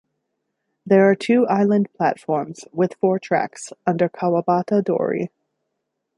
There are two island platforms with four tracks under Kawabata Dori.